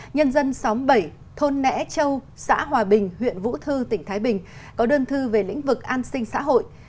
nhân dân xóm bảy thôn nẽ châu xã hòa bình huyện vũ thư tỉnh thái bình có đơn thư về lĩnh vực an sinh xã hội